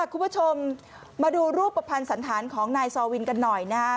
คุณผู้ชมมาดูรูปภัณฑ์สันธารของนายซอวินกันหน่อยนะครับ